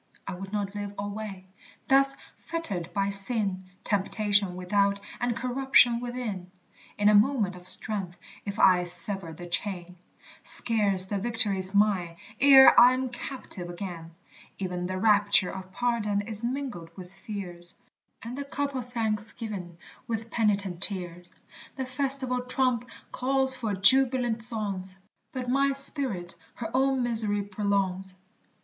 I would not live alway thus fettered by sin, Temptation without and corruption within; In a moment of strength if I sever the chain, Scarce the victory's mine, ere I'm captive again; E'en the rapture of pardon is mingled with fears, And the cup of thanksgiving with penitent tears: The festival trump calls for jubilant songs, But my spirit her own miserere prolongs.